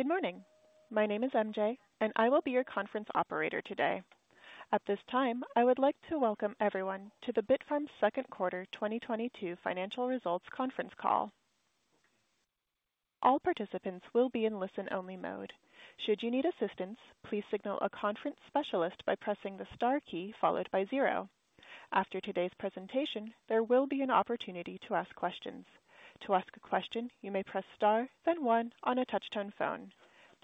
Good morning. My name is MJ, and I will be your conference operator today. At this time, I would like to welcome everyone to the Bitfarms' second quarter 2022 financial results conference call. All participants will be in listen-only mode. Should you need assistance, please signal a conference specialist by pressing the star key followed by zero. After today's presentation, there will be an opportunity to ask questions. To ask a question, you may press star then one on a touchtone phone.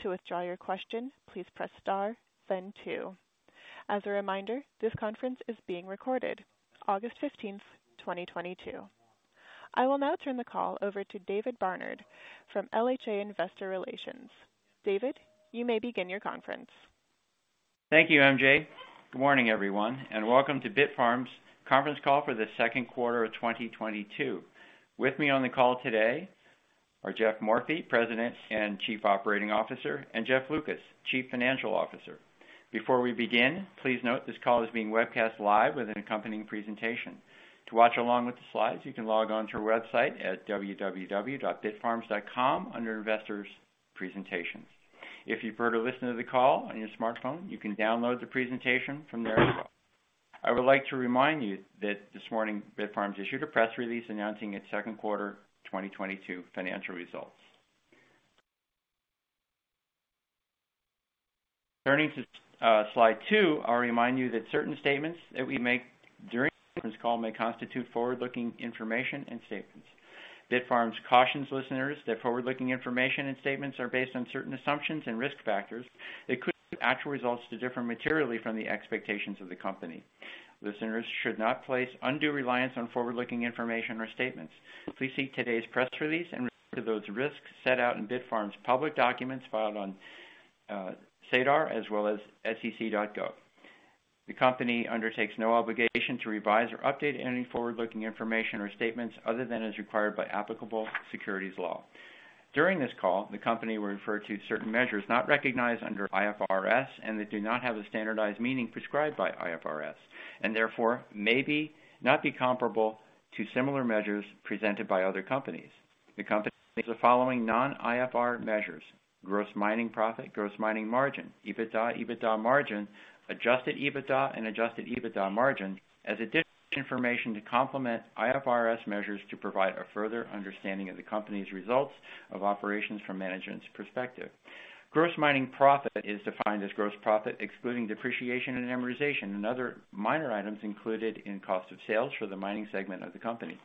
To withdraw your question, please press star then two. As a reminder, this conference is being recorded August 15th, 2022. I will now turn the call over to David Barnard from LHA Investor Relations. David, you may begin your conference. Thank you, MJ. Good morning, everyone, and welcome to Bitfarms's conference call for the second quarter of 2022. With me on the call today are Geoff Morphy, President and Chief Operating Officer, and Jeff Lucas, Chief Financial Officer. Before we begin, please note this call is being webcast live with an accompanying presentation. To watch along with the slides, you can log on to our website at www.bitfarms.com under Investors Presentations. If you'd prefer to listen to the call on your smartphone, you can download the presentation from there as well. I would like to remind you that this morning, Bitfarms issued a press release announcing its second quarter 2022 financial results. Turning to Slide 2, I'll remind you that certain statements that we make during this call may constitute forward-looking information and statements. Bitfarms cautions listeners that forward-looking information and statements are based on certain assumptions and risk factors that could cause actual results to differ materially from the expectations of the company. Listeners should not place undue reliance on forward-looking information or statements. Please see today's press release in regard to those risks set out in Bitfarms public documents filed on SEDAR as well as sec.gov. The company undertakes no obligation to revise or update any forward-looking information or statements other than as required by applicable securities law. During this call, the company will refer to certain measures not recognized under IFRS and that do not have the standardized meaning prescribed by IFRS, and therefore may not be comparable to similar measures presented by other companies. The company uses the following non-IFRS measures: gross mining profit, gross mining margin, EBITDA margin, adjusted EBITDA, and adjusted EBITDA margin as additional information to complement IFRS measures to provide a further understanding of the company's results of operations from management's perspective. Gross mining profit is defined as gross profit, excluding depreciation and amortization and other minor items included in cost of sales for the mining segment of the company.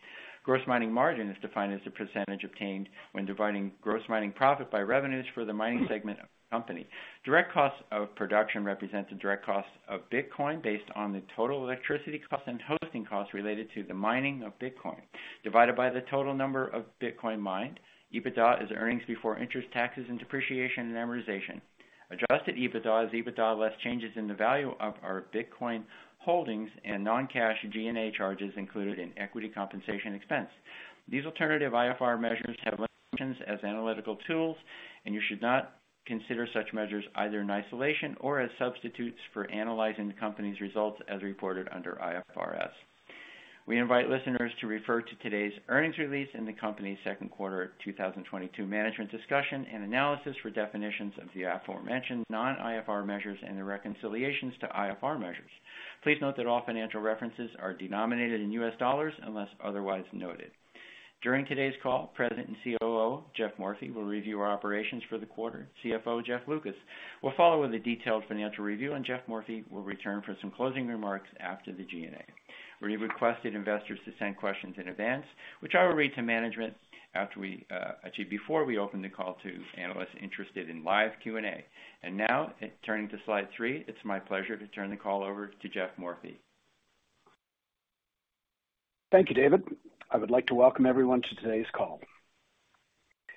Gross mining margin is defined as the percentage obtained when dividing gross mining profit by revenues for the mining segment of the company. Direct cost of production represents the direct cost of Bitcoin coin based on the total electricity cost and hosting costs related to the mining of Bitcoin divided by the total number of Bitcoin mined. EBITDA is earnings before interest, taxes, and depreciation and amortization. Adjusted EBITDA is EBITDA less changes in the value of our Bitcoin holdings and non-cash Q&A charges included in equity compensation expense. These alternative IFR measures have limitations as analytical tools, and you should not consider such measures either in isolation or as substitutes for analyzing the company's results as reported under IFRS. We invite listeners to refer to today's earnings release in the company's second quarter 2022 management's discussion and analysis for definitions of the aforementioned non-IFR measures and the reconciliations to IFR measures. Please note that all financial references are denominated in US dollars unless otherwise noted. During today's call, President and COO, Geoff Morphy, will review our operations for the quarter. CFO Jeff Lucas will follow with a detailed financial review, and Geoff Morphy will return for some closing remarks after the Q&A. We requested investors to send questions in advance, which I will read to management before we open the call to analysts interested in live Q&A. Now turning to Slide 3, it's my pleasure to turn the call over to Geoff Morphy. Thank you, David. I would like to welcome everyone to today's call.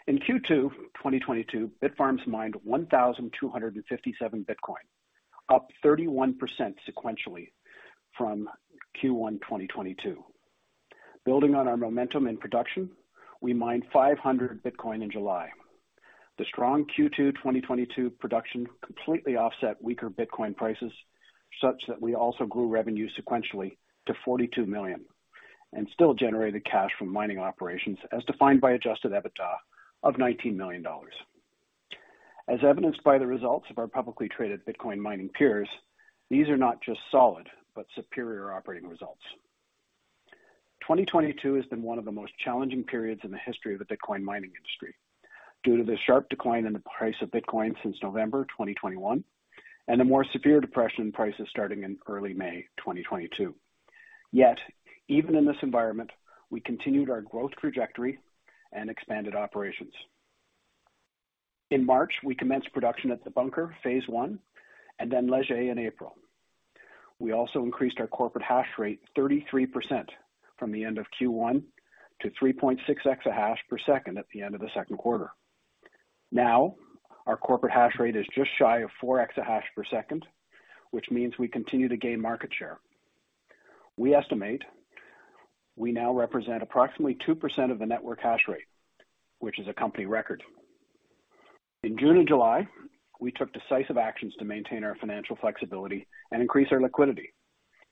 In Q2 2022, Bitfarms mined 1,257 Bitcoin, up 31 sequentially from Q1 2022. Building on our momentum in production, we mined 500 Bitcoin in July. The strong Q2 2022 production completely offset weaker Bitcoin prices, such that we also grew revenue sequentially to $42 million and still generated cash from mining operations as defined by adjusted EBITDA of $19 million. As evidenced by the results of our publicly traded Bitcoin mining peers, these are not just solid but superior operating results. 2022 has been one of the most challenging periods in the history of the Bitcoin mining industry due to the sharp decline in the price of Bitcoin since November 2021 and a more severe depression in prices starting in early May 2022. Yet, even in this environment, we continued our growth trajectory and expanded operations. In March, we commenced production at The Bunker Phase One and then Leger in April. We also increased our corporate hash rate 33% from the end of Q1 to 3.6 EH/s at the end of the second quarter. Now our corporate hash rate is just shy of 4 EH/s, which means we continue to gain market share. We estimate we now represent approximately 2% of the network hash rate, which is a company record. In June and July, we took decisive actions to maintain our financial flexibility and increase our liquidity.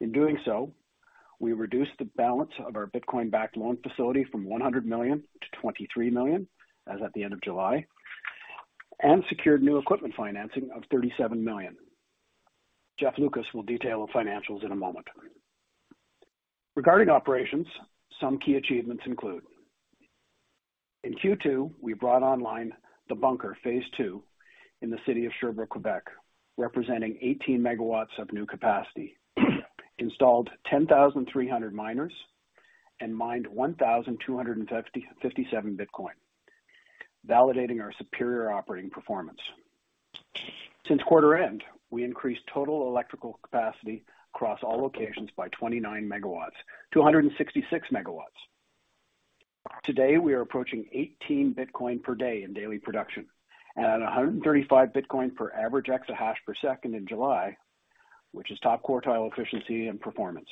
In doing so, we reduced the balance of our Bitcoin-backed loan facility from $100 million-$23 million as at the end of July, and secured new equipment financing of $37 million. Jeff Lucas will detail the financials in a moment. Regarding operations, some key achievements include. In Q2, we brought online The Bunker Phase two in the city of Sherbrooke, Québec, representing 18 MW of new capacity, installed 10,300 miners, and mined 1,257 Bitcoin, validating our superior operating performance. Since quarter end, we increased total electrical capacity across all locations by 29 MW-166 MW. Today, we are approaching 18 Bitcoin per day in daily production at 135 EH/s average in July, which is top quartile efficiency and performance.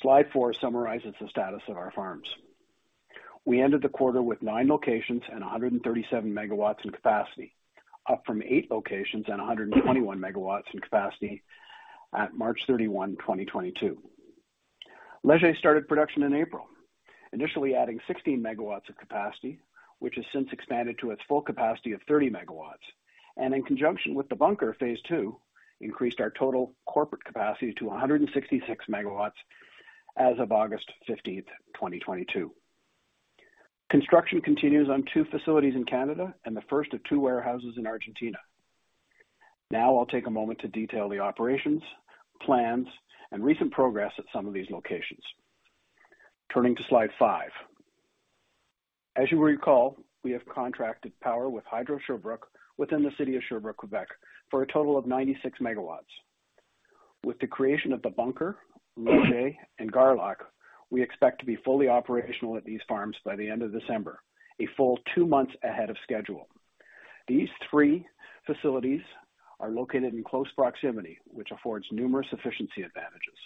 Slide 4 summarizes the status of our farms. We ended the quarter with nine locations and 137 MW in capacity, up from eight locations and 121 MW in capacity at March 31, 2022. Leger started production in April, initially adding 16 MW of capacity, which has since expanded to its full capacity of 30 MW, and in conjunction with The Bunker Phase Two, increased our total corporate capacity to 166 MW as of August 15, 2022. Construction continues on two facilities in Canada and the first of two warehouses in Argentina. Now I'll take a moment to detail the operations, plans, and recent progress at some of these locations. Turning to Slide 5. As you will recall, we have contracted power with Hydro-Sherbrooke within the city of Sherbrooke, Quebec, for a total of 96 MW. With the creation of the Bunker, Leger, and Garlock, we expect to be fully operational at these farms by the end of December, a full two months ahead of schedule. These three facilities are located in close proximity, which affords numerous efficiency advantages.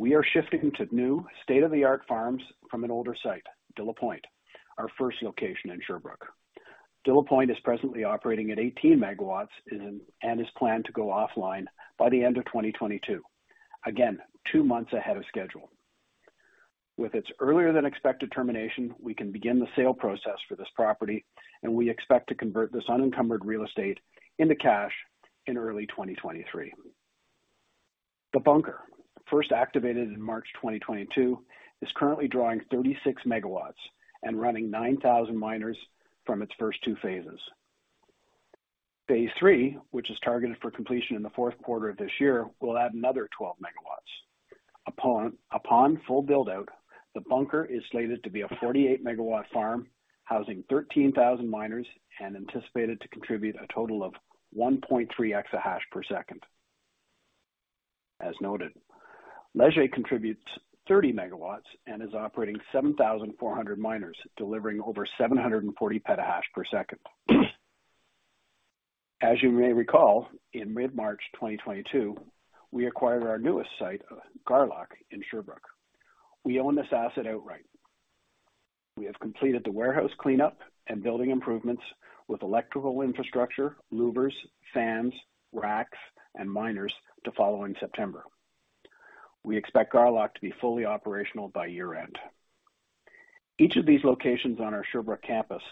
We are shifting to new state-of-the-art farms from an older site, de la Pointe, our first location in Sherbrooke. de la Pointe is presently operating at 18 MW and is planned to go offline by the end of 2022. Again, two months ahead of schedule. With its earlier than expected termination, we can begin the sale process for this property, and we expect to convert this unencumbered real estate into cash in early 2023. The Bunker, first activated in March 2022, is currently drawing 36 MW and running 9,000 miners from its first two phases. Phase three, which is targeted for completion in the fourth quarter of this year, will add another 12 MW. Upon full build-out, The Bunker is slated to be a 48-MW farm housing 13,000 miners and anticipated to contribute a total of 1.3 EH/s. As noted, Leger contributes 30 MW and is operating 7,400 miners, delivering over 740 PH/s. As you may recall, in mid-March 2022, we acquired our newest site, Garlock, in Sherbrooke. We own this asset outright. We have completed the warehouse cleanup and building improvements with electrical infrastructure, louvers, fans, racks, and miners to follow in September. We expect Garlock to be fully operational by year-end. Each of these locations on our Sherbrooke campus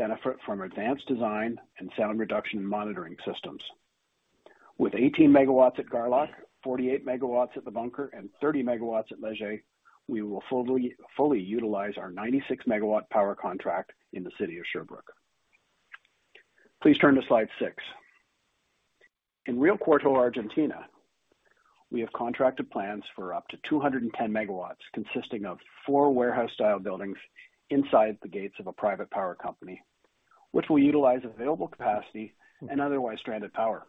benefit from advanced design and sound reduction monitoring systems. With 18 MW at Garlock, 48 MW at The Bunker, and 30 MW at Leger, we will fully utilize our 96-MW power contract in the city of Sherbrooke. Please turn to Slide 6. In Rio Cuarto, Argentina, we have contracted plans for up to 210 MW, consisting of four warehouse-style buildings inside the gates of a private power company, which will utilize available capacity and otherwise stranded power.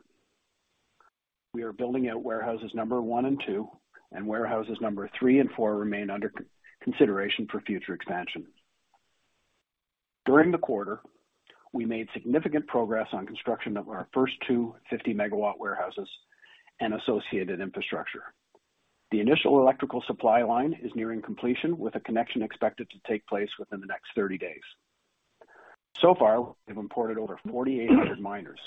We are building out warehouses Number 1 and 2, and warehouses Number 3 and 4 remain under consideration for future expansion. During the quarter, we made significant progress on construction of our first two 50-MW warehouses and associated infrastructure. The initial electrical supply line is nearing completion, with a connection expected to take place within the next 30 days. So far, we've imported over 4,800 miners.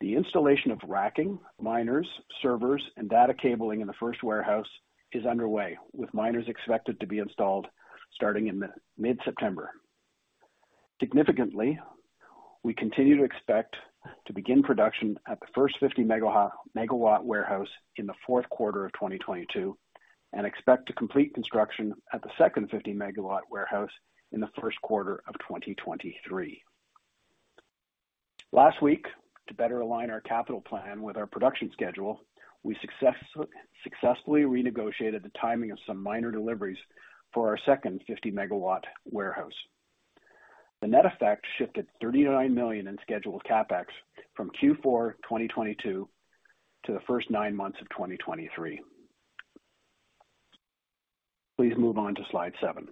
The installation of racking, miners, servers, and data cabling in the first warehouse is underway, with miners expected to be installed starting in mid-September. Significantly, we continue to expect to begin production at the first 50-MW warehouse in the fourth quarter of 2022 and expect to complete construction at the second 50-MW warehouse in the first quarter of 2023. Last week, to better align our capital plan with our production schedule, we successfully renegotiated the timing of some miner deliveries for our second 50-MW warehouse. The net effect shifted $39 million in scheduled CapEx from Q4 2022 to the first nine months of 2023. Please move on to Slide 7.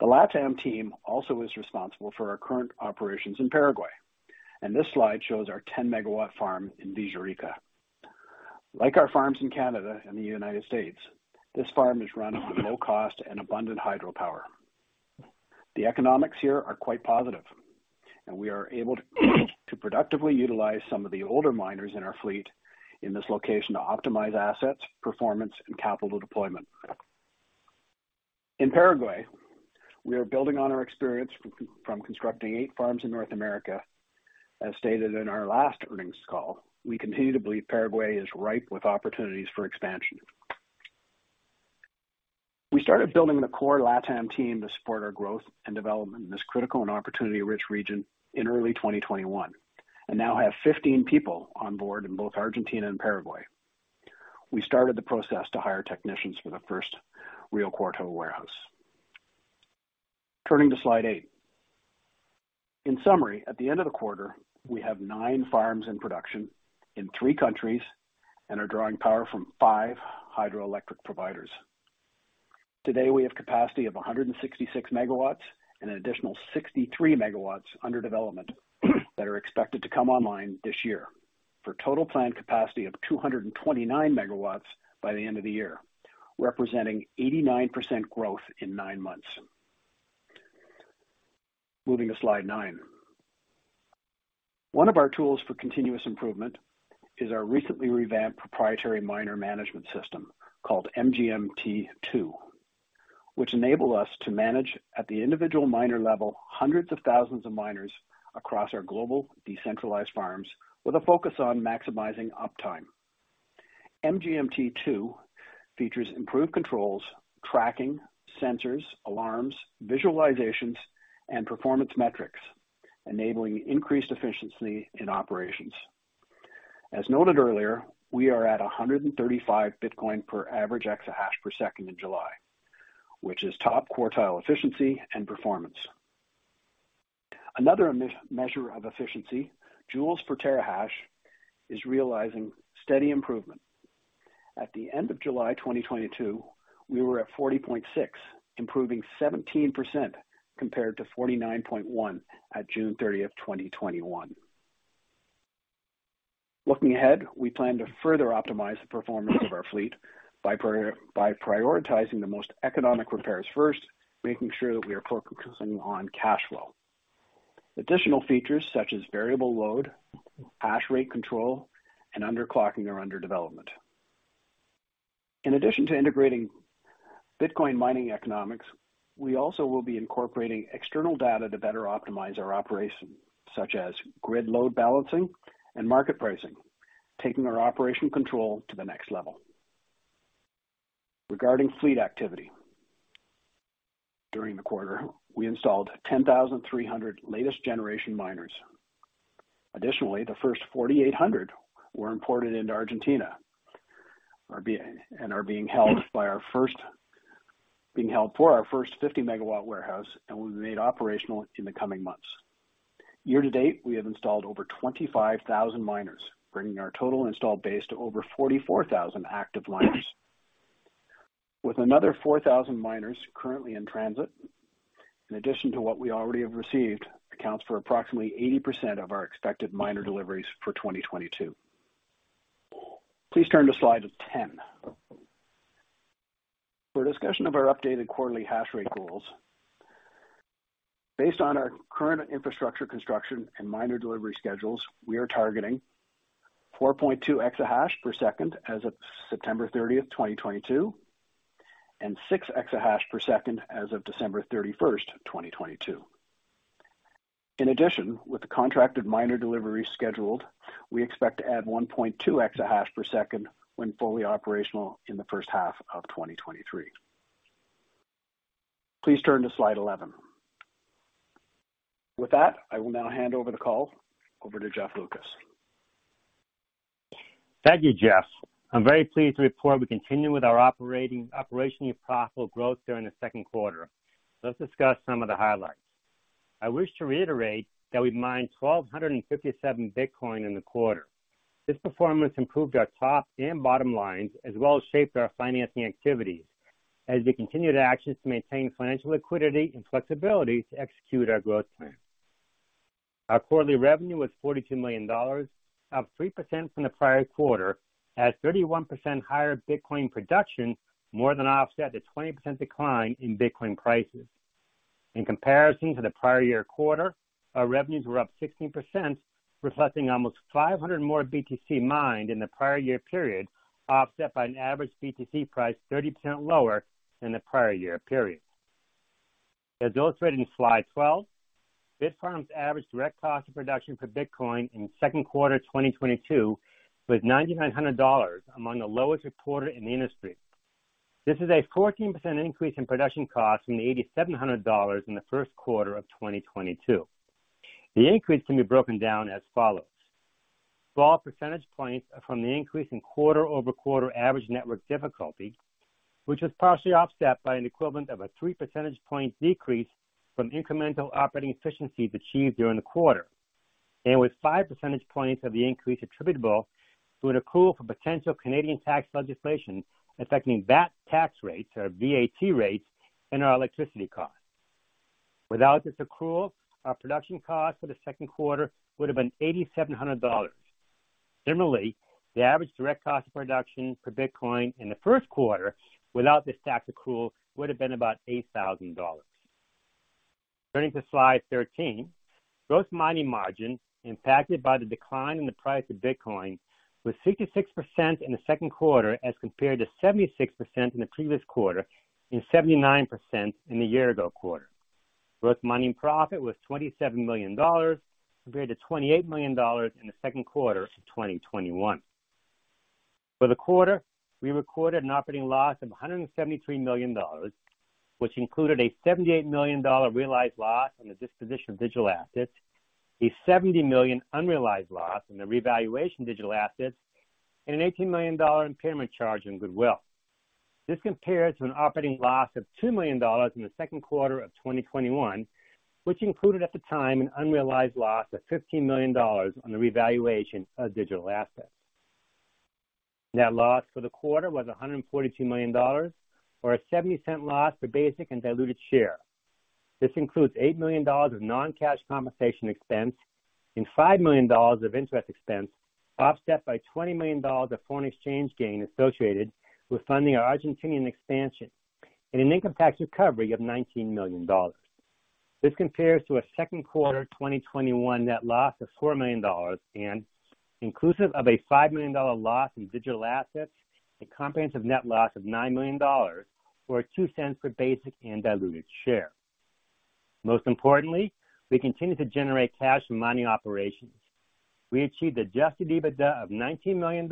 The LATAM team also is responsible for our current operations in Paraguay, and this slide shows our 10-MW farm in Villarrica. Like our farms in Canada and the United States, this farm is run on low cost and abundant hydropower. The economics here are quite positive, and we are able to productively utilize some of the older miners in our fleet in this location to optimize assets, performance and capital deployment. In Paraguay, we are building on our experience from constructing eight farms in North America. As stated in our last earnings call, we continue to believe Paraguay is ripe with opportunities for expansion. We started building the core LATAM team to support our growth and development in this critical and opportunity rich region in early 2021, and now have 15 people on board in both Argentina and Paraguay. We started the process to hire technicians for the first Rio Cuarto warehouse. Turning to Slide 8. In summary, at the end of the quarter, we have nine farms in production in three countries and are drawing power from five hydroelectric providers. Today, we have capacity of 166 MW and an additional 63 MW under development that are expected to come online this year for total planned capacity of 229 MW by the end of the year, representing 89% growth in nine months. Moving to Slide 9. One of our tools for continuous improvement is our recently revamped proprietary miner management system called MGMT Two, which enable us to manage at the individual miner level hundreds of thousands of miners across our global decentralized farms with a focus on maximizing uptime. MGMT Two features improved controls, tracking, sensors, alarms, visualizations and performance metrics, enabling increased efficiency in operations. As noted earlier, we are at 135 Bitcoin per average exahash per second in July, which is top quartile efficiency and performance. Another measure of efficiency, joules per terahash, is realizing steady improvement. At the end of July 2022, we were at 40.6, improving 17% compared to 49.1 at June 30, 2021. Looking ahead, we plan to further optimize the performance of our fleet by prioritizing the most economic repairs first, making sure that we are focusing on cash flow. Additional features such as variable load, hash rate control and underclocking are under development. In addition to integrating Bitcoin mining economics, we also will be incorporating external data to better optimize our operation, such as grid load balancing and market pricing, taking our operation control to the next level. Regarding fleet activity, during the quarter, we installed 10,300 latest generation miners. Additionally, the first 4,800 were imported into Argentina and are being held for our first 50-MW warehouse and will be made operational in the coming months. Year-to-date, we have installed over 25,000 miners, bringing our total installed base to over 44,000 active miners. With another 4,000 miners currently in transit, in addition to what we already have received, accounts for approximately 80% of our expected miner deliveries for 2022. Please turn to Slide 10. For discussion of our updated quarterly hash rate goals. Based on our current infrastructure construction and miner delivery schedules, we are targeting 4.2 EH/s as of September 30, 2022, and 6 EH/s as of December 31, 2022. In addition, with the contracted miner deliveries scheduled, we expect to add 1.2 EH/s when fully operational in the first half of 2023. Please turn to Slide 11. With that, I will now hand over the call to Jeff Lucas. Thank you, Geoff. I'm very pleased to report we continue with our operationally profitable growth during the second quarter. Let's discuss some of the highlights. I wish to reiterate that we mined 1,257 Bitcoin in the quarter. This performance improved our top and bottom lines, as well as shaped our financing activities as we continued actions to maintain financial liquidity and flexibility to execute our growth plan. Our quarterly revenue was $42 million, up 3% from the prior quarter with 31% higher Bitcoin production, more than offset the 20% decline in Bitcoin prices. In comparison to the prior year quarter, our revenues were up 16%, reflecting almost 500 more BTC mined in the prior year period, offset by an average BTC price 30% lower than the prior year period. As illustrated in Slide 12, Bitfarms' average direct cost of production for Bitcoin in second quarter 2022 was $9,900, among the lowest reported in the industry. This is a 14% increase in production costs from the $8,700 in the first quarter of 2022. The increase can be broken down as follows. 4 percentage points from the increase in quarter-over-quarter average network difficulty, which was partially offset by an equivalent of a 3 percentage point decrease from incremental operating efficiencies achieved during the quarter. With 5 percentage points of the increase attributable to an accrual for potential Canadian tax legislation affecting VAT tax rates or VAT rates and our electricity costs. Without this accrual, our production cost for the second quarter would have been $8,700. Similarly, the average direct cost of production per bitcoin in the first quarter without this tax accrual would have been about $8,000. Turning to Slide 13. Gross mining margin impacted by the decline in the price of Bitcoin was 66% in the second quarter as compared to 76% in the previous quarter and 79% in the year ago quarter. Gross mining profit was $27 million compared to $28 million in the second quarter of 2021. For the quarter, we recorded an operating loss of $173 million, which included a $78 million realized loss on the disposition of digital assets, a $70 million unrealized loss on the revaluation digital assets, and an $18 million impairment charge on goodwill. This compares to an operating loss of $2 million in the second quarter of 2021, which included at the time an unrealized loss of $15 million on the revaluation of digital assets. Net loss for the quarter was $142 million or a $0.70 loss for basic and diluted share. This includes $8 million of non-cash compensation expense and $5 million of interest expense, offset by $20 million of foreign exchange gain associated with funding our Argentinian expansion, and an income tax recovery of $19 million. This compares to a second quarter 2021 net loss of $4 million and inclusive of a $5 million loss in digital assets, a comprehensive net loss of $9 million, or $0.02 for basic and diluted share. Most importantly, we continue to generate cash from mining operations. We achieved adjusted EBITDA of $19 million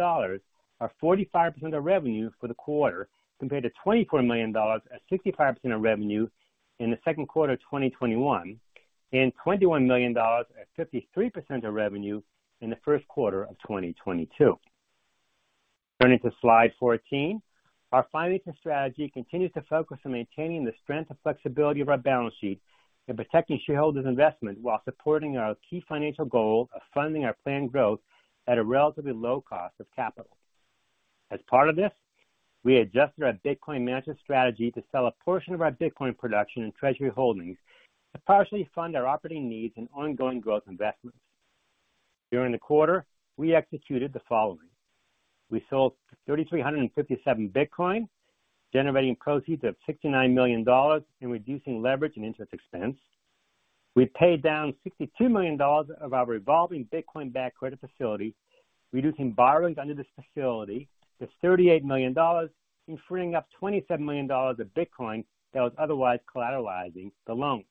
or 45% of revenue for the quarter, compared to $24 million at 65% of revenue in the second quarter of 2021, and $21 million at 53% of revenue in the first quarter of 2022. Turning to Slide 14. Our financing strategy continues to focus on maintaining the strength and flexibility of our balance sheet and protecting shareholders' investment while supporting our key financial goal of funding our planned growth at a relatively low cost of capital. As part of this, we adjusted our Bitcoin management strategy to sell a portion of our Bitcoin production and treasury holdings to partially fund our operating needs and ongoing growth investments. During the quarter, we executed the following. We sold 3,357 Bitcoin, generating proceeds of $69 million and reducing leverage and interest expense. We paid down $62 million of our revolving Bitcoin-backed credit facility, reducing borrowings under this facility to $38 million and freeing up $27 million of Bitcoin that was otherwise collateralizing the loan.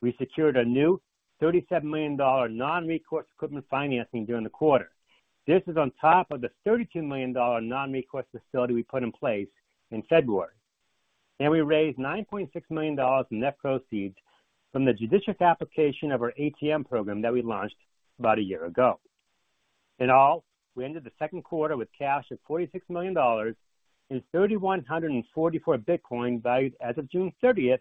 We secured a new $37 million non-recourse equipment financing during the quarter. This is on top of the $32 million non-recourse facility we put in place in February. We raised $9.6 million in net proceeds from the judicious application of our ATM program that we launched about a year ago. In all, we ended the second quarter with cash of $46 million and 3,144 Bitcoin valued as of June 30 at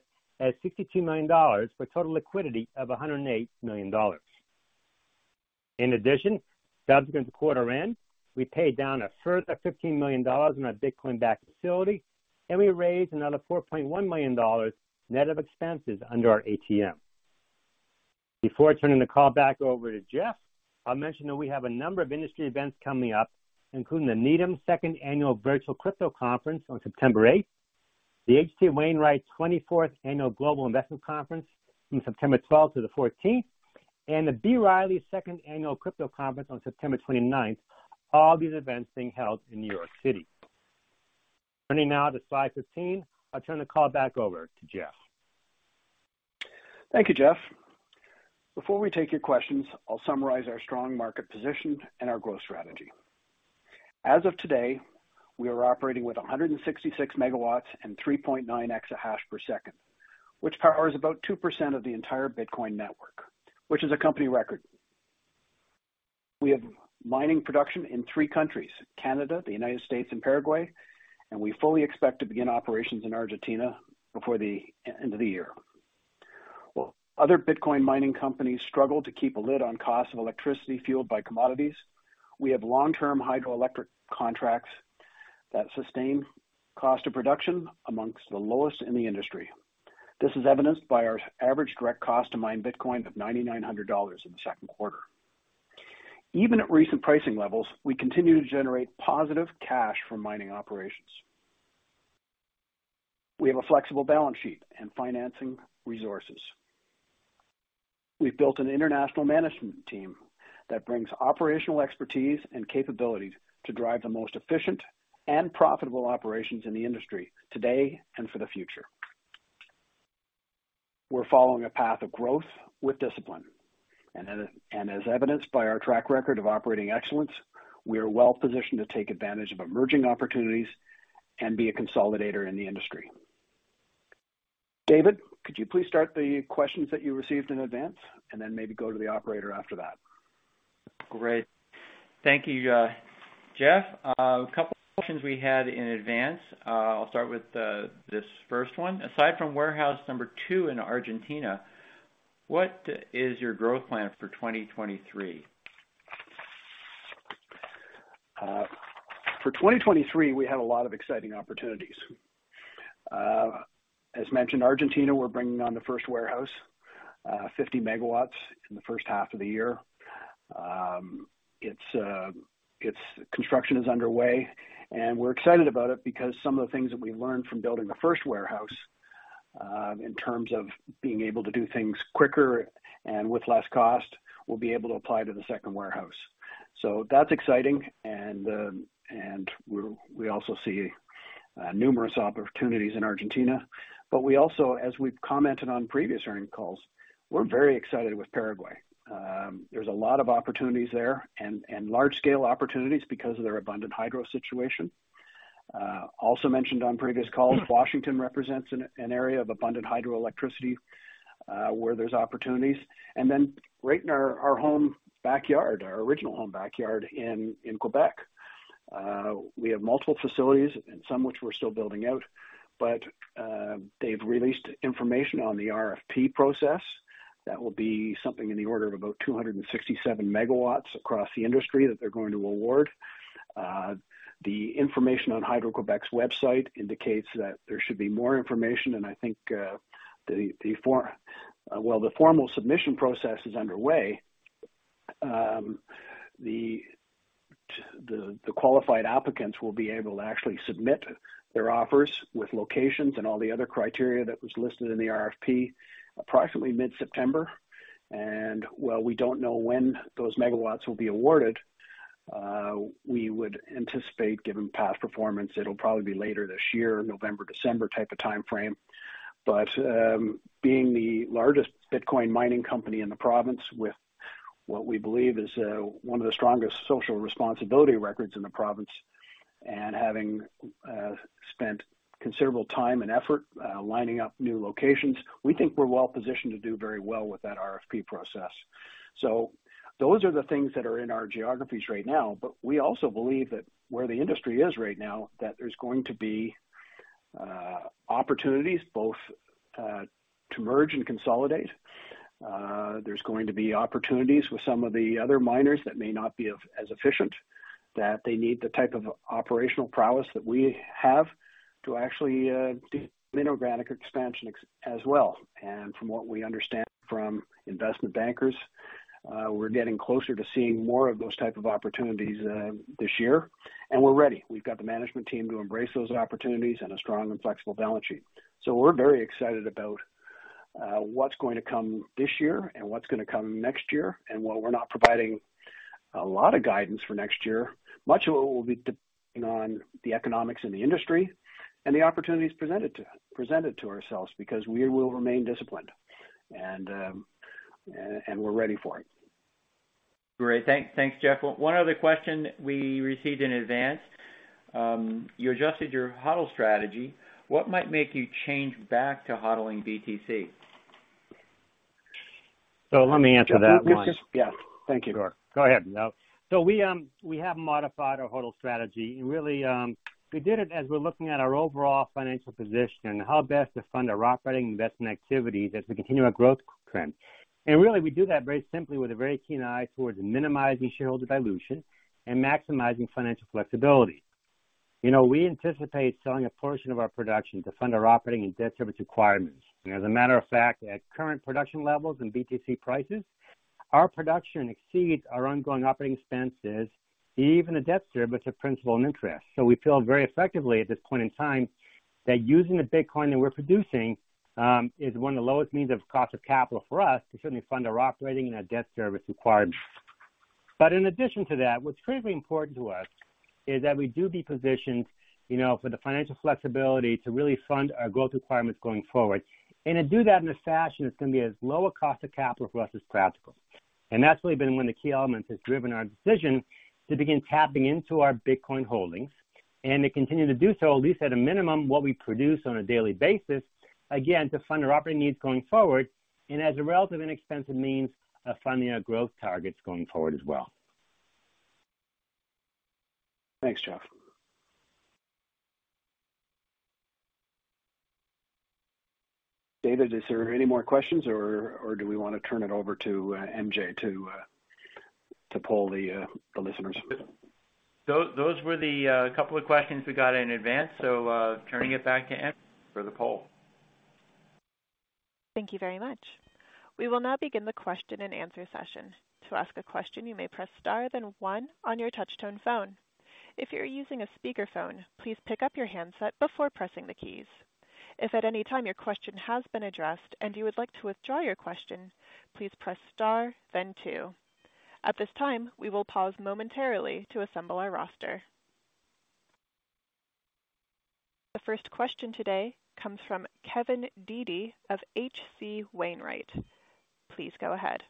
$62 million for total liquidity of $108 million. In addition, subsequent to quarter end, we paid down a further $15 million in our Bitcoin-backed facility, and we raised another $4.1 million net of expenses under our ATM. Before turning the call back over to Geoff, I'll mention that we have a number of industry events coming up, including the Needham Second Annual Virtual Crypto Conference on September 8, the H.C. Wainwright 24th Annual Global Investment Conference from September 12th to the 14th, and the B. Riley Second Annual Crypto Conference on September 29th, all these events being held in New York City. Turning now to Slide 15. I'll turn the call back over to Geoff. Thank you, Jeff. Before we take your questions, I'll summarize our strong market position and our growth strategy. As of today, we are operating with 166 MW and 3.9 EH/s, which powers about 2% of the entire Bitcoin network, which is a company record. We have mining production in three countries, Canada, the United States, and Paraguay, and we fully expect to begin operations in Argentina before the end of the year. While other Bitcoin mining companies struggle to keep a lid on cost of electricity fueled by commodities, we have long-term hydroelectric contracts that sustain cost of production among the lowest in the industry. This is evidenced by our average direct cost to mine Bitcoin of $9,900 in the second quarter. Even at recent pricing levels, we continue to generate positive cash from mining operations. We have a flexible balance sheet and financing resources. We've built an international management team that brings operational expertise and capabilities to drive the most efficient and profitable operations in the industry today and for the future. We're following a path of growth with discipline, and as evidenced by our track record of operating excellence, we are well-positioned to take advantage of emerging opportunities and be a consolidator in the industry. David, could you please start the questions that you received in advance and then maybe go to the operator after that? Great. Thank you, Geoff. A couple questions we had in advance. I'll start with this first one. Aside from warehouse Number 2 in Argentina, what is your growth plan for 2023? For 2023, we have a lot of exciting opportunities. As mentioned, Argentina, we're bringing on the first warehouse, 50 MW in the first half of the year. Its construction is underway, and we're excited about it because some of the things that we learned from building the first warehouse, in terms of being able to do things quicker and with less cost, we'll be able to apply to the second warehouse. That's exciting, and we also see numerous opportunities in Argentina. We also, as we've commented on previous earnings calls, we're very excited with Paraguay. There's a lot of opportunities there and large scale opportunities because of their abundant hydro situation. Also mentioned on previous calls, Washington represents an area of abundant hydroelectricity, where there's opportunities. Right in our home backyard, our original home backyard in Québec, we have multiple facilities and some which we're still building out. They've released information on the RFP process that will be something in the order of about 267 MW across the industry that they're going to award. The information on Hydro-Québec's website indicates that there should be more information, and I think, well, the formal submission process is underway. The qualified applicants will be able to actually submit their offers with locations and all the other criteria that was listed in the RFP approximately mid-September. While we don't know when those megawatts will be awarded, we would anticipate, given past performance, it'll probably be later this year, November, December type of timeframe. Being the largest Bitcoin mining company in the province with what we believe is one of the strongest social responsibility records in the province, and having spent considerable time and effort lining up new locations, we think we're well positioned to do very well with that RFP process. Those are the things that are in our geographies right now, but we also believe that where the industry is right now, that there's going to be opportunities both to merge and consolidate. There's going to be opportunities with some of the other miners that may not be as efficient, that they need the type of operational prowess that we have to actually do mine expansion as well. From what we understand from investment bankers, we're getting closer to seeing more of those type of opportunities this year, and we're ready. We've got the management team to embrace those opportunities and a strong and flexible balance sheet. We're very excited about what's going to come this year and what's gonna come next year. While we're not providing a lot of guidance for next year, much of it will be depending on the economics in the industry and the opportunities presented to ourselves because we will remain disciplined, and we're ready for it. Great. Thanks, Geoff. One other question we received in advance. You adjusted your HODL strategy. What might make you change back to HODLing BTC? Let me answer that one. Yeah. Thank you. Sure. Go ahead. No. We have modified our HODL strategy, and really, we did it as we're looking at our overall financial position and how best to fund our operating investment activity as we continue our growth trend. Really, we do that very simply with a very keen eye toward minimizing shareholder dilution and maximizing financial flexibility. You know, we anticipate selling a portion of our production to fund our operating and debt service requirements. As a matter of fact, at current production levels and BTC prices, our production exceeds our ongoing operating expenses, even the debt service of principal and interest. We feel very effectively at this point in time that using the Bitcoin that we're producing is one of the lowest means of cost of capital for us to certainly fund our operating and our debt service requirements. In addition to that, what's critically important to us is that we do be positioned, you know, for the financial flexibility to really fund our growth requirements going forward. To do that in a fashion that's gonna be as low a cost of capital for us as practical. That's really been one of the key elements that's driven our decision to begin tapping into our Bitcoin holdings and to continue to do so, at least at a minimum, what we produce on a daily basis, again, to fund our operating needs going forward and as a relatively inexpensive means of funding our growth targets going forward as well. Thanks, Jeff. David, is there any more questions or do we want to turn it over to MJ to poll the listeners? Those were the couple of questions we got in advance. Turning it back to MJ for the poll. Thank you very much. We will now begin the question-and-answer session. To ask a question, you may press star then one on your touch tone phone. If you're using a speaker phone, please pick up your handset before pressing the keys. If at any time your question has been addressed and you would like to withdraw your question, please press star then two. At this time, we will pause momentarily to assemble our roster. The first question today comes from Kevin Dede of H.C. Wainwright. Please go ahead.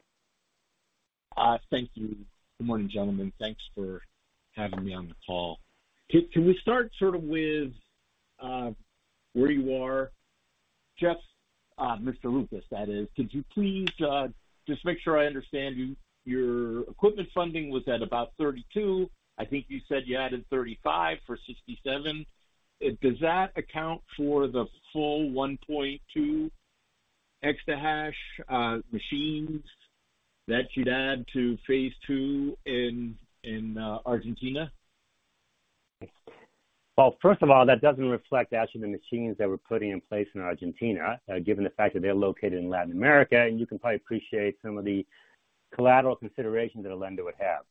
Thank you. Good morning, gentlemen. Thanks for having me on the call. Can we start sort of with where you are, Jeff, Mr. Lucas, that is. Could you please just make sure I understand you, your equipment funding was at about 32. I think you said you added 35 for 67. Does that account for the full 1.2 exahash machines that you'd add to phase two in Argentina? Well, first of all, that doesn't reflect actually the machines that we're putting in place in Argentina, given the fact that they're located in Latin America, and you can probably appreciate some of the collateral considerations that a lender would have.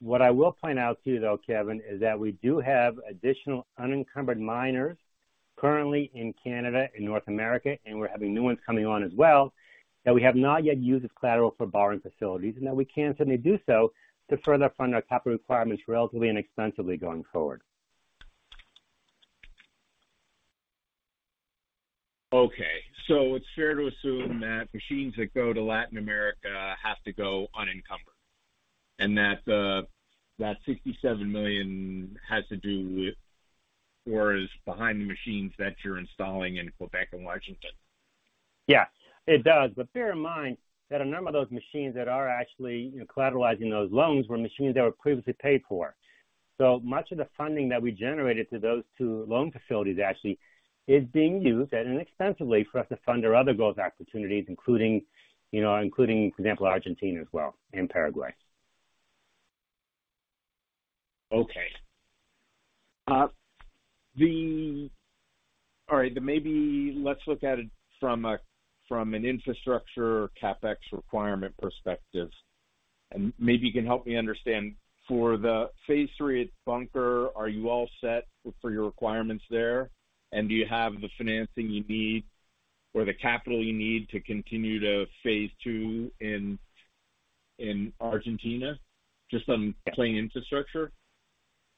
What I will point out to you, though, Kevin, is that we do have additional unencumbered miners currently in Canada, in North America, and we're having new ones coming on as well, that we have not yet used as collateral for borrowing facilities, and that we can certainly do so to further fund our capital requirements relatively inexpensively going forward. Okay. It's fair to assume that machines that go to Latin America have to go unencumbered, and that $67 million has to do with, or is behind the machines that you're installing in Quebec and Washington. Yeah, it does. Bear in mind that a number of those machines that are actually collateralizing those loans were machines that were previously paid for. Much of the funding that we generated from those two loan facilities actually is being used, and inexpensively, for us to fund our other growth opportunities, including, you know, for example, Argentina as well, and Paraguay. Maybe let's look at it from an infrastructure CapEx requirement perspective, and maybe you can help me understand, for the phase three at Bunker, are you all set for your requirements there? Do you have the financing you need or the capital you need to continue to phase two in Argentina, just on plain infrastructure?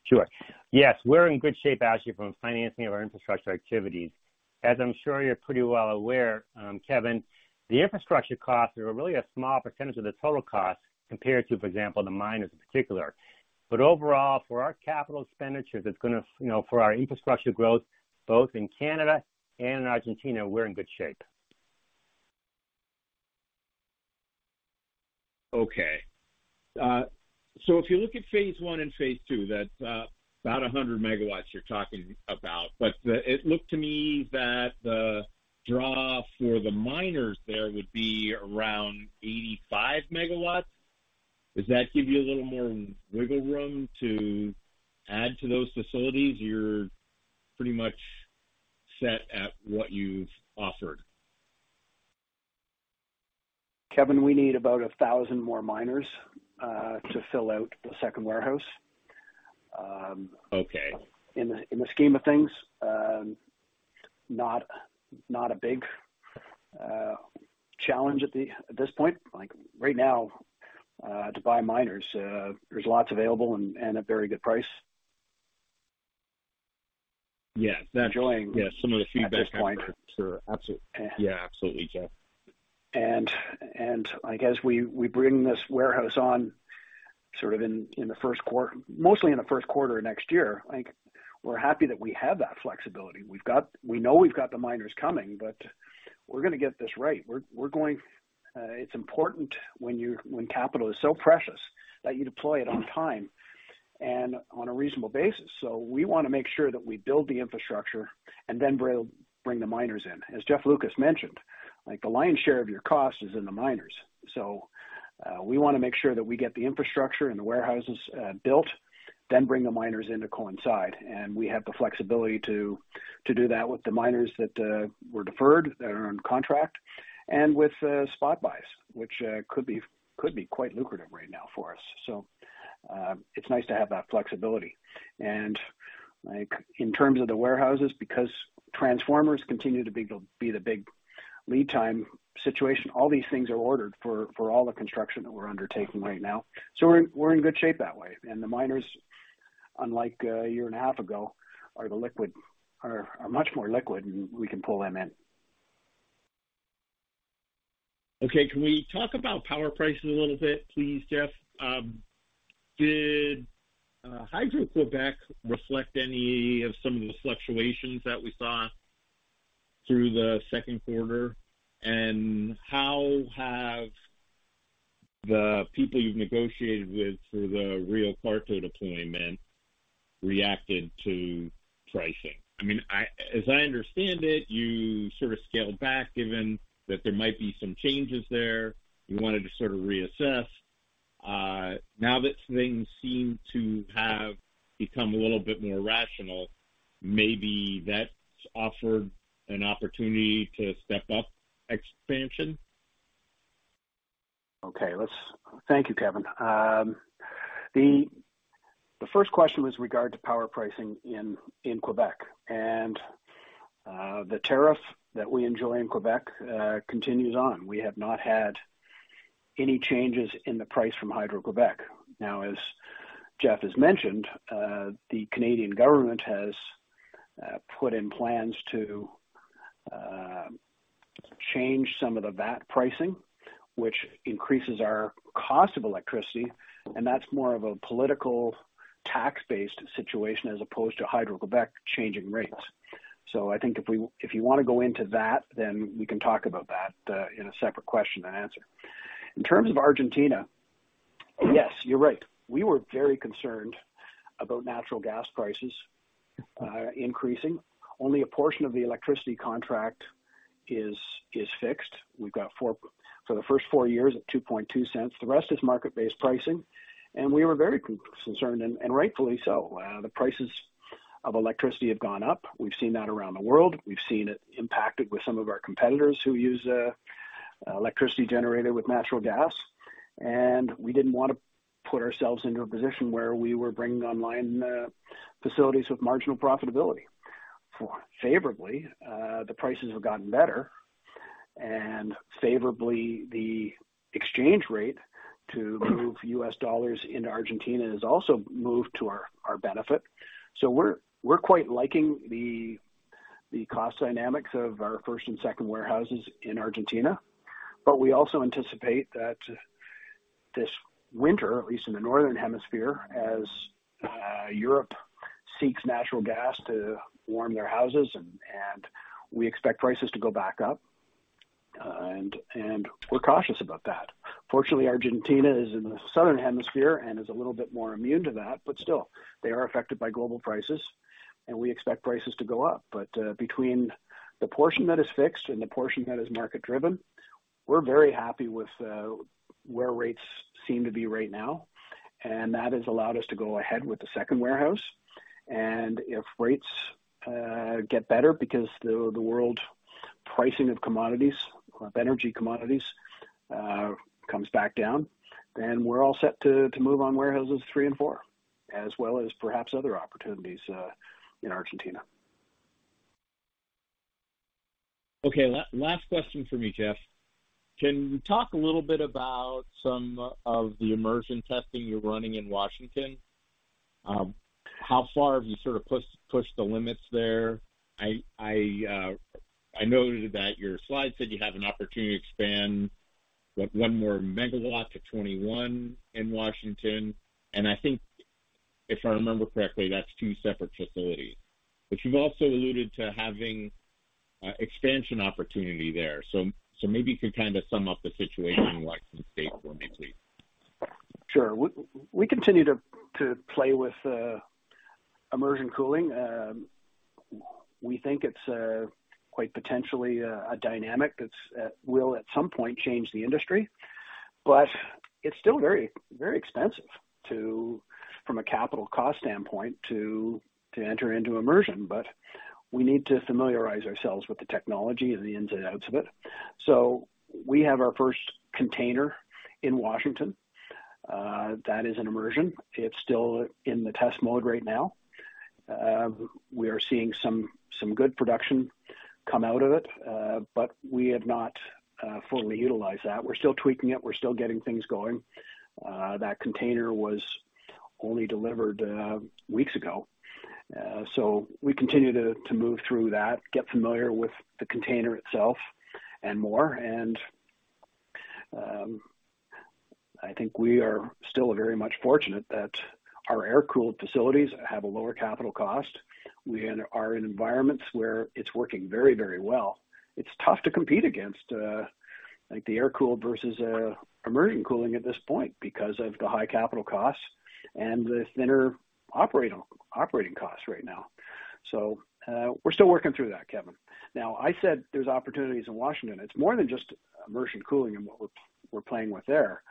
Sure. Yes, we're in good shape actually from financing of our infrastructure activities. As I'm sure you're pretty well aware, Kevin, the infrastructure costs are really a small percentage of the total cost compared to, for example, the miners in particular. Overall, for our capital expenditures, it's gonna, you know, for our infrastructure growth, both in Canada and in Argentina, we're in good shape. Okay. If you look at phase one and phase two, that's about 100 MW you're talking about. But it looked to me that the draw for the miners there would be around 85 MW. Does that give you a little more wiggle room to add to those facilities? You're pretty much set at what you've offered. Kevin, we need about 1,000 more miners to fill out the second warehouse. Okay. In the scheme of things, not a big challenge at this point. Like, right now, to buy miners, there's lots available and a very good price. Yes. Enjoying. Yes, some of the feedback. At this point. Sure. Absolutely. Yeah, absolutely, Geoff. I guess we bring this warehouse on sort of mostly in the first quarter of next year. I think we're happy that we have that flexibility. We know we've got the miners coming, but we're gonna get this right. It's important when capital is so precious that you deploy it on time and on a reasonable basis. We wanna make sure that we build the infrastructure and then bring the miners in. As Jeff Lucas mentioned, like, the lion's share of your cost is in the miners. We wanna make sure that we get the infrastructure and the warehouses built, then bring the miners in to coincide, and we have the flexibility to do that with the miners that were deferred, that are on contract, and with spot buys, which could be quite lucrative right now for us. It's nice to have that flexibility. Like, in terms of the warehouses, because transformers continue to be the big lead time situation, all these things are ordered for all the construction that we're undertaking right now. We're in good shape that way. The miners, unlike a 1.5 years ago, are much more liquid, and we can pull them in. Okay. Can we talk about power prices a little bit, please, Geoff? Did Hydro-Québec reflect any of some of the fluctuations that we saw through the second quarter? How have the people you've negotiated with for the Rio Cuarto deployment reacted to pricing? I mean, as I understand it, you sort of scaled back, given that there might be some changes there. You wanted to sort of reassess. Now that things seem to have become a little bit more rational, maybe that's offered an opportunity to step up expansion. Thank you, Kevin. The first question was regarding power pricing in Québec. The tariff that we enjoy in Québec continues on. We have not had any changes in the price from Hydro-Québec. Now, as Jeff has mentioned, the Canadian government has put in plans to change some of the VAT pricing, which increases our cost of electricity, and that's more of a political tax-based situation as opposed to Hydro-Québec changing rates. I think if you wanna go into that, then we can talk about that in a separate question and answer. In terms of Argentina. Yes, you're right. We were very concerned about natural gas prices increasing. Only a portion of the electricity contract is fixed. We've got for the first 4 years at $0.022. The rest is market-based pricing. We were very concerned, and rightfully so. The prices of electricity have gone up. We've seen that around the world. We've seen it impacted with some of our competitors who use electricity generated with natural gas. We didn't wanna put ourselves into a position where we were bringing online facilities with marginal profitability. Fortunately, the prices have gotten better, and, favorably, the exchange rate to move U.S. dollars into Argentina has also moved to our benefit. We're quite liking the cost dynamics of our first and second warehouses in Argentina. We also anticipate that this winter, at least in the Northern Hemisphere, as Europe seeks natural gas to warm their houses and we expect prices to go back up. We're cautious about that. Fortunately, Argentina is in the Southern Hemisphere and is a little bit more immune to that, but still, they are affected by global prices, and we expect prices to go up. Between the portion that is fixed and the portion that is market-driven, we're very happy with where rates seem to be right now, and that has allowed us to go ahead with the second warehouse. If rates get better because the world pricing of commodities, of energy commodities, comes back down, then we're all set to move on warehouses three and four, as well as perhaps other opportunities in Argentina. Okay. Last question from me, Geoff. Can you talk a little bit about some of the immersion testing you're running in Washington? How far have you sort of pushed the limits there? I noted that your slide said you have an opportunity to expand, what? 1 more megawatt to 21 in Washington. I think if I remember correctly, that's two separate facilities. You've also alluded to having expansion opportunity there. Maybe you could kinda sum up the situation in Washington State for me, please. Sure. We continue to play with immersion cooling. We think it's quite potentially a dynamic that will at some point change the industry. But it's still very, very expensive from a capital cost standpoint to enter into immersion. But we need to familiarize ourselves with the technology and the ins and outs of it. We have our first container in Washington that is an immersion. It's still in the test mode right now. We are seeing some good production come out of it, but we have not fully utilized that. We're still tweaking it. We're still getting things going. That container was only delivered weeks ago. We continue to move through that, get familiar with the container itself and more. I think we are still very much fortunate that our air-cooled facilities have a lower capital cost. We are in environments where it's working very, very well. It's tough to compete against, like the air-cooled versus emerging cooling at this point because of the high capital costs and the thinner operating costs right now. We're still working through that, Kevin. Now, I said there's opportunities in Washington. It's more than just immersion cooling and what we're playing with there.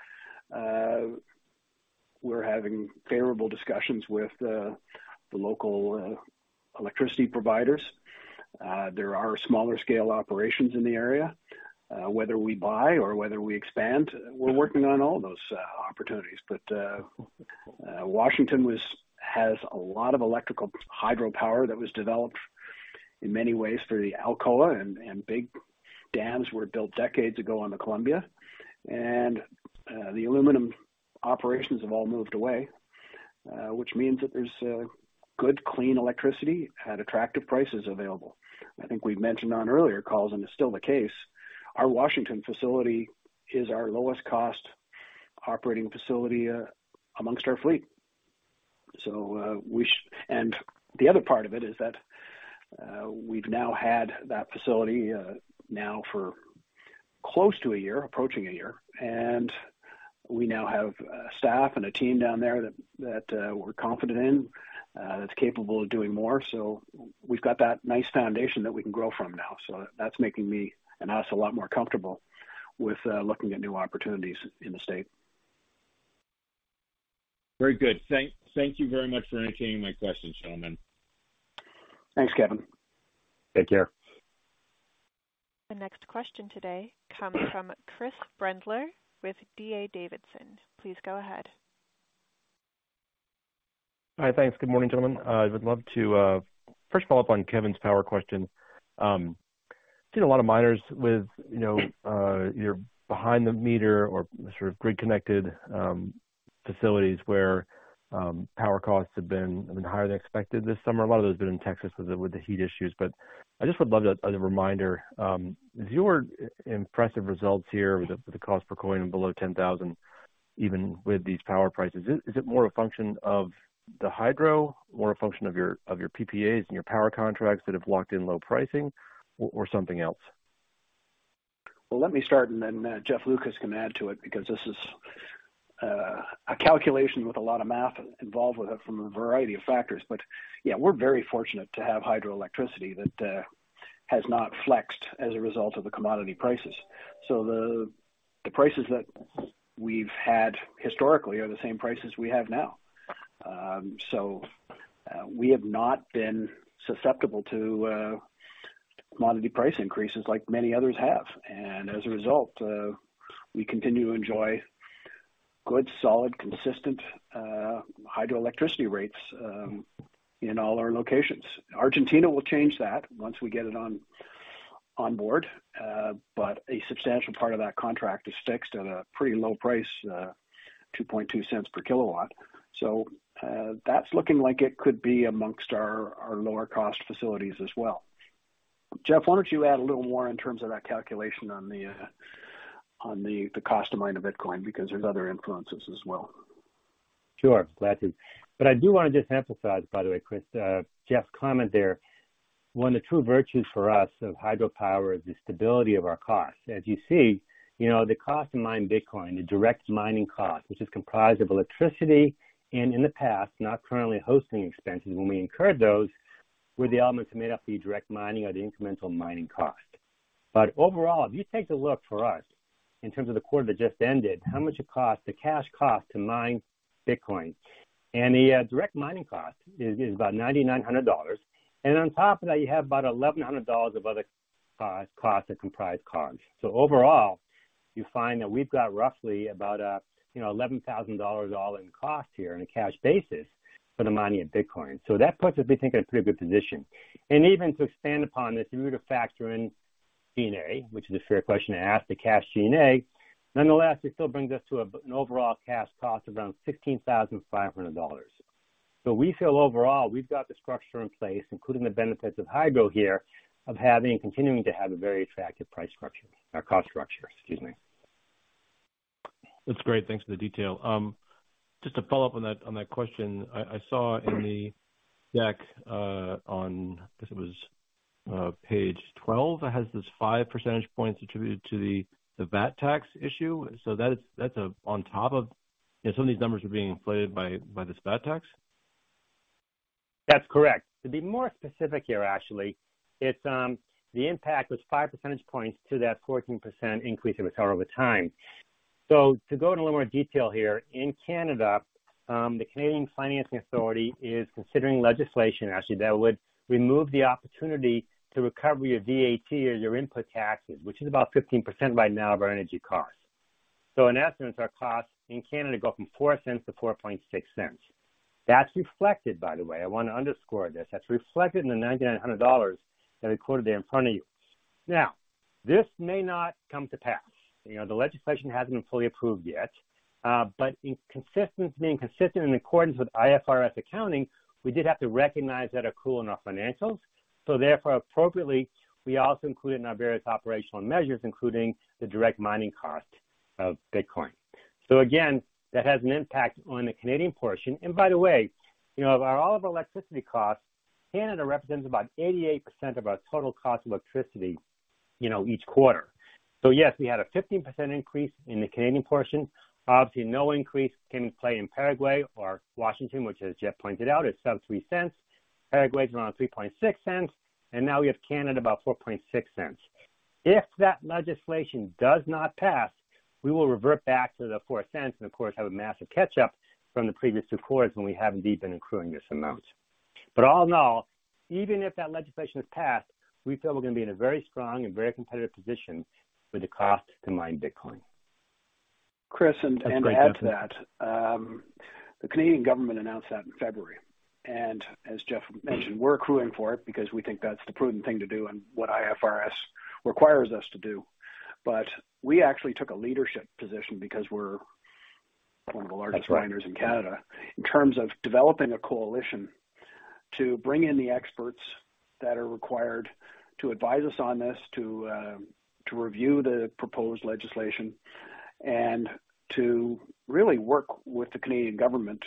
We're having favorable discussions with the local electricity providers. There are smaller scale operations in the area. Whether we buy or whether we expand, we're working on all those opportunities. Washington has a lot of electrical hydropower that was developed in many ways through the Alcoa and big dams were built decades ago on the Columbia. The aluminum operations have all moved away, which means that there's good clean electricity at attractive prices available. I think we've mentioned on earlier calls, and it's still the case, our Washington facility is our lowest cost operating facility amongst our fleet. The other part of it is that we've now had that facility now for close to a year, approaching a year, and we now have staff and a team down there that we're confident in that's capable of doing more. We've got that nice foundation that we can grow from now. That's making me and us a lot more comfortable with looking at new opportunities in the state. Very good. Thank you very much for entertaining my questions, gentlemen. Thanks, Kevin. Take care. The next question today comes from Chris Brendler with D.A. Davidson. Please go ahead. Hi. Thanks. Good morning, gentlemen. I would love to first of all follow up on Kevin's power question. Seen a lot of miners with, you know, your behind the meter or sort of grid connected facilities where power costs have been higher than expected this summer. A lot of those have been in Texas with the heat issues, but I just would love a reminder. With your impressive results here with the cost per coin below $10,000, even with these power prices, is it more a function of the hydro or a function of your PPAs and your power contracts that have locked in low pricing or something else? Well, let me start and then, Jeff Lucas can add to it because this is a calculation with a lot of math involved with it from a variety of factors. Yeah, we're very fortunate to have hydroelectricity that has not flexed as a result of the commodity prices. The prices that we've had historically are the same prices we have now. We have not been susceptible to commodity price increases like many others have. As a result, we continue to enjoy good, solid, consistent hydroelectricity rates in all our locations. Argentina will change that once we get it on board. A substantial part of that contract is fixed at a pretty low price, $0.022 per kilowatt. That's looking like it could be among our lower cost facilities as well. Jeff, why don't you add a little more in terms of that calculation on the cost to mine a Bitcoin because there's other influences as well. Sure. Glad to. I do wanna just emphasize, by the way, Chris, Geoff's comment there, one of the true virtues for us of hydropower is the stability of our costs. As you see, you know, the cost to mine Bitcoin, the direct mining cost, which is comprised of electricity, and in the past, not currently hosting expenses, when we incurred those, were the elements that made up the direct mining or the incremental mining cost. Overall, if you take a look for us in terms of the quarter that just ended, how much it costs, the cash cost to mine Bitcoin, and the direct mining cost is about $9,900. On top of that, you have about $1,100 of other costs that comprise costs. Overall, you find that we've got roughly about $11,000 all in cost here on a cash basis for the mining of Bitcoin. That puts us, I think, in a pretty good position. Even to expand upon this, if you were to factor in CapEx, which is a fair question to ask, the cash CapEx, nonetheless, it still brings us to an overall cash cost of around $16,500. We feel overall, we've got the structure in place, including the benefits of hydro here, of having and continuing to have a very attractive price structure, or cost structure, excuse me. That's great. Thanks for the detail. Just to follow up on that question, I saw in the deck on, I guess it was, page 12, that has this 5 percentage points attributed to the VAT tax issue. That's on top of you know, some of these numbers are being inflated by this VAT tax? That's correct. To be more specific here, actually, it's the impact was 5 percentage points to that 14% increase that we saw over time. To go into a little more detail here, in Canada, the Canada Revenue Agency is considering legislation, actually, that would remove the opportunity to recover your VAT or your input taxes, which is about 15% right now of our energy costs. In essence, our costs in Canada go from 0.04-0.046. That's reflected, by the way, I wanna underscore this. That's reflected in the $9,900 that I quoted there in front of you. Now, this may not come to pass. You know, the legislation hasn't been fully approved yet. Being consistent in accordance with IFRS accounting, we did have to recognize that accrual in our financials. Therefore, appropriately, we also include it in our various operational measures, including the direct mining cost of Bitcoin. Again, that has an impact on the Canadian portion. By the way, you know, of our, all of our electricity costs, Canada represents about 88% of our total cost of electricity, you know, each quarter. Yes, we had a 15% increase in the Canadian portion. Obviously, no increase came in play in Paraguay or Washington, which as Geoff pointed out, is sub-$0.03. Paraguay is around $0.036, and now we have Canada about $0.046. If that legislation does not pass, we will revert back to the $0.04 and of course, have a massive catch up from the previous two quarters when we haven't even been accruing this amount. All in all, even if that legislation is passed, we feel we're gonna be in a very strong and very competitive position with the cost to mine Bitcoin. Chris, to add to that, the Canadian government announced that in February. As Jeff mentioned, we're accruing for it because we think that's the prudent thing to do and what IFRS requires us to do. We actually took a leadership position because we're one of the largest miners in Canada, in terms of developing a coalition to bring in the experts that are required to advise us on this, to review the proposed legislation and to really work with the Canadian government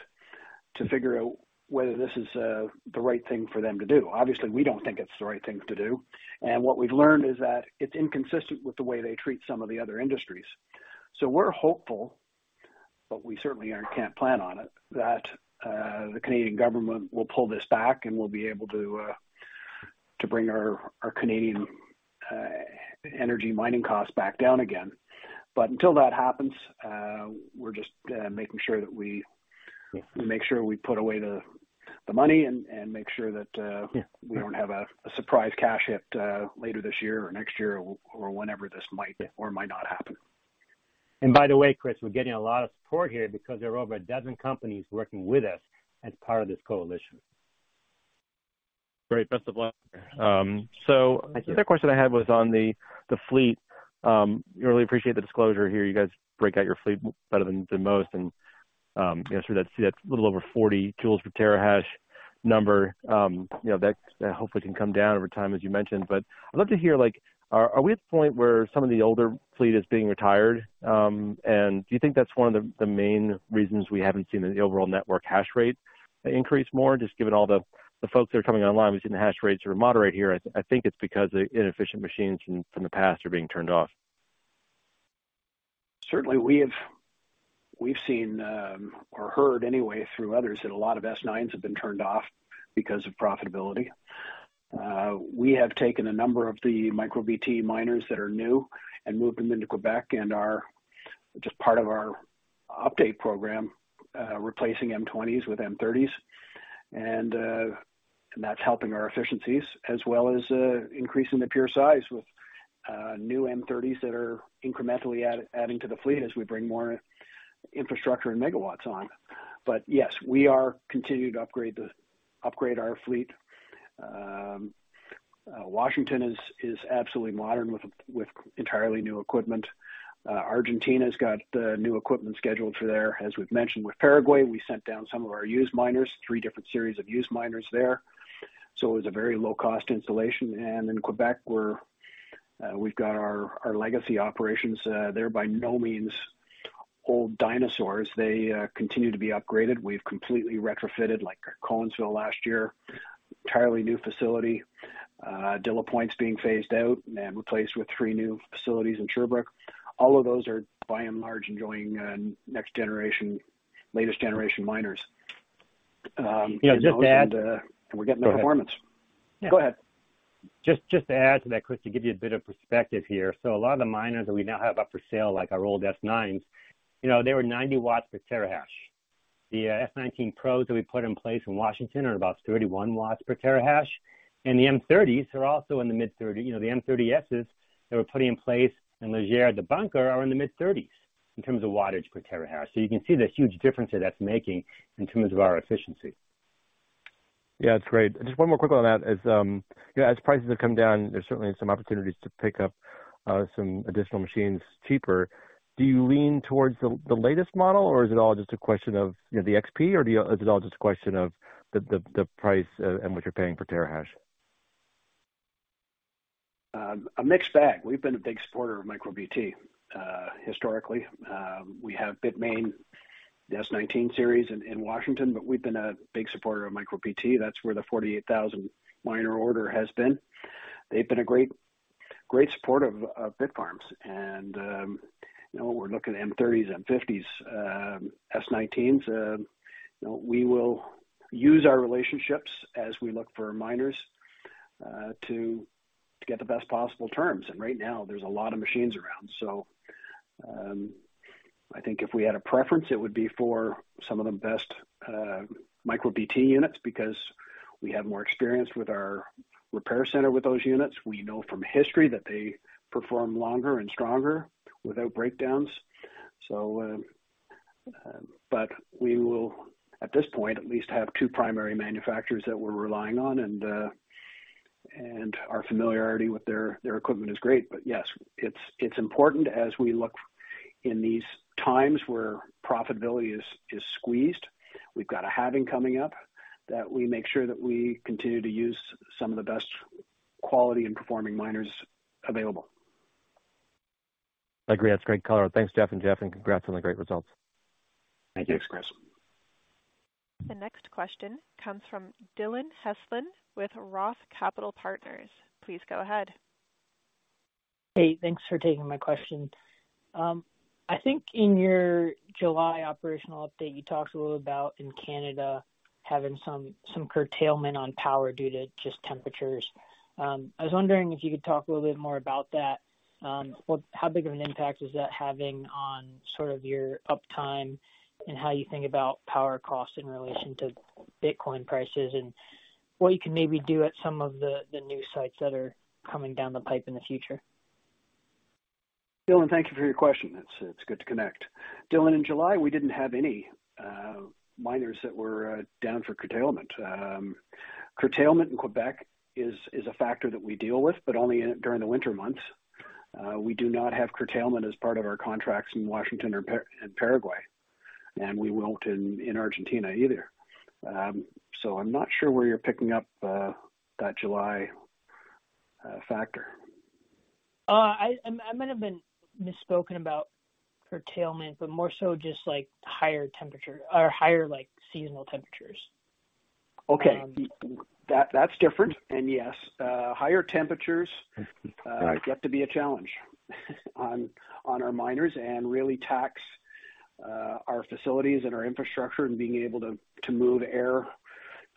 to figure out whether this is the right thing for them to do. Obviously, we don't think it's the right thing to do. What we've learned is that it's inconsistent with the way they treat some of the other industries. We're hopeful, but we certainly can't plan on it that the Canadian government will pull this back and we'll be able to bring our Canadian energy mining costs back down again. Until that happens, we're just making sure that we make sure we put away the money and make sure that we don't have a surprise cash hit later this year or next year or whenever this might or might not happen. By the way, Chris, we're getting a lot of support here because there are over a dozen companies working with us as part of this coalition. Great. Best of luck. Thank you. The other question I had was on the fleet. Really appreciate the disclosure here. You guys break out your fleet better than most. You know, sure, that's a little over 40 joules per terahash number. You know, that hopefully can come down over time, as you mentioned. I'd love to hear, like, are we at the point where some of the older fleet is being retired? And do you think that's one of the main reasons we haven't seen the overall network hash rate increase more, just given all the folks that are coming online, we've seen the hash rates are moderate here. I think it's because the inefficient machines from the past are being turned off. Certainly we've seen or heard anyway through others that a lot of S9s have been turned off because of profitability. We have taken a number of the MicroBT miners that are new and moved them into Quebec and are just part of our upgrade program, replacing M20s with M30s. That's helping our efficiencies as well as increasing the fleet size with new M30s that are incrementally adding to the fleet as we bring more infrastructure and megawatts on. Yes, we are continuing to upgrade our fleet. Washington is absolutely modern with entirely new equipment. Argentina's got the new equipment scheduled for there. As we've mentioned with Paraguay, we sent down some of our used miners, three different series of used miners there. It was a very low cost installation. In Quebec, we've got our legacy operations. They're by no means old dinosaurs. They continue to be upgraded. We've completely retrofitted, like our Cowansville last year, entirely new facility. de la Pointe's being phased out and replaced with three new facilities in Sherbrooke. All of those are by and large enjoying next generation, latest generation miners. Yeah, just to add. We're getting the performance. Go ahead. Go ahead. Just to add to that, Chris, to give you a bit of perspective here. A lot of the miners that we now have up for sale, like our old S9s, you know, they were 90 W/TH. The S19 Pros that we put in place in Washington are about 31 W/TH, and the M30s are also in the mid-30s. You know, the M30Ss that we're putting in place in Leger at the bunker are in the mid-30s in terms of wattage per terahash. You can see the huge difference that that's making in terms of our efficiency. Yeah, that's great. Just one more quick on that is, you know, as prices have come down, there's certainly some opportunities to pick up some additional machines cheaper. Do you lean towards the latest model, or is it all just a question of, you know, the XP, or is it all just a question of the price, and what you're paying per terahash? A mixed bag. We've been a big supporter of MicroBT, historically. We have Bitmain, the S19 series in Washington, but we've been a big supporter of MicroBT. That's where the 48,000 miner order has been. They've been a great supporter of Bitfarms. You know, we're looking at M30s, M50s, S19s. You know, we will use our relationships as we look for miners to get the best possible terms. Right now there's a lot of machines around. I think if we had a preference, it would be for some of the best MicroBT units because we have more experience with our repair center with those units. We know from history that they perform longer and stronger without breakdowns. We will, at this point, at least have two primary manufacturers that we're relying on, and our familiarity with their equipment is great. Yes, it's important as we look in these times where profitability is squeezed, we've got a halving coming up, that we make sure that we continue to use some of the best quality and performing miners available. I agree. That's great color. Thanks, Jeff and Geoff, and congrats on the great results. Thank you. Thanks, Chris. The next question comes from Dillon Heslin with Roth Capital Partners. Please go ahead. Hey, thanks for taking my question. I think in your July operational update, you talked a little about in Canada having some curtailment on power due to just temperatures. I was wondering if you could talk a little bit more about that. How big of an impact is that having on sort of your uptime and how you think about power costs in relation to Bitcoin prices and what you can maybe do at some of the new sites that are coming down the pipe in the future? Dillon, thank you for your question. It's good to connect. Dillon, in July, we didn't have any miners that were down for curtailment. Curtailment in Quebec is a factor that we deal with, but only during the winter months. We do not have curtailment as part of our contracts in Washington or in Paraguay, and we won't in Argentina either. I'm not sure where you're picking up that July factor. I might have been misspoken about curtailment, but more so just like higher temperature or higher like seasonal temperatures. Okay. That's different. Yes, higher temperatures get to be a challenge on our miners and really tax our facilities and our infrastructure and being able to move air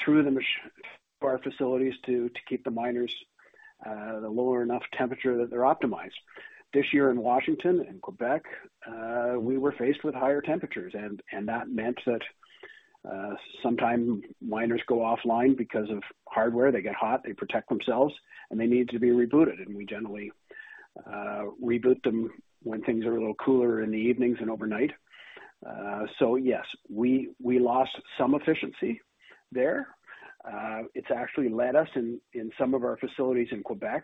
through the machines for our facilities to keep the miners at a low enough temperature that they're optimized. This year in Washington and Quebec, we were faced with higher temperatures and that meant that sometimes miners go offline because of hardware. They get hot, they protect themselves, and they need to be rebooted, and we generally reboot them when things are a little cooler in the evenings and overnight. Yes, we lost some efficiency there. It's actually led us in some of our facilities in Quebec,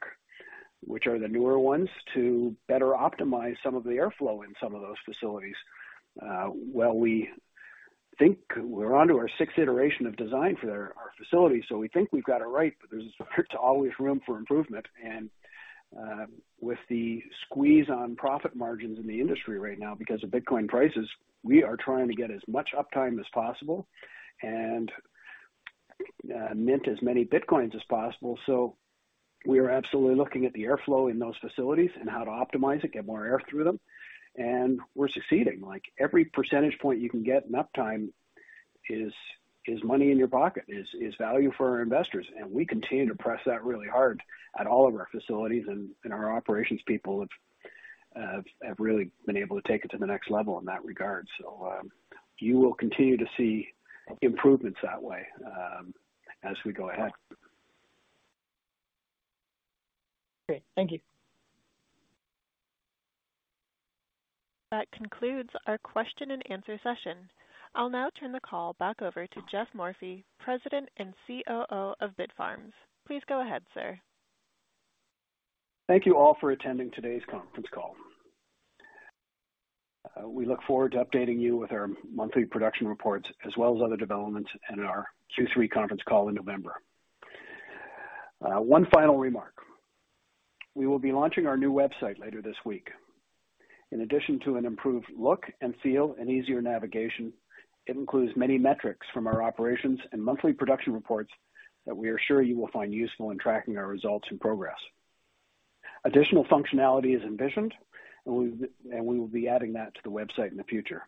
which are the newer ones, to better optimize some of the airflow in some of those facilities. Well, we think we're onto our sixth iteration of design for our facilities, so we think we've got it right, but there's always room for improvement. With the squeeze on profit margins in the industry right now because of Bitcoin prices, we are trying to get as much uptime as possible and mint as many Bitcoins as possible. We are absolutely looking at the airflow in those facilities and how to optimize it, get more air through them, and we're succeeding. Like, every percentage point you can get in uptime is money in your pocket, is value for our investors. We continue to press that really hard at all of our facilities and our operations people have really been able to take it to the next level in that regard. You will continue to see improvements that way, as we go ahead. Great. Thank you. That concludes our question and answer session. I'll now turn the call back over to Geoff Morphy, President and COO of Bitfarms. Please go ahead, sir. Thank you all for attending today's conference call. We look forward to updating you with our monthly production reports as well as other developments in our Q3 conference call in November. One final remark. We will be launching our new website later this week. In addition to an improved look and feel and easier navigation, it includes many metrics from our operations and monthly production reports that we are sure you will find useful in tracking our results and progress. Additional functionality is envisioned, and we will be adding that to the website in the future.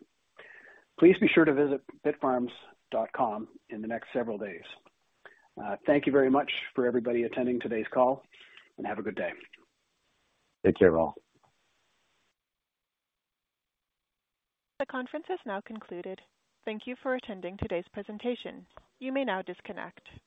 Please be sure to visit bitfarms.com in the next several days. Thank you very much for everybody attending today's call, and have a good day. Take care all. The conference is now concluded. Thank you for attending today's presentation. You may now disconnect.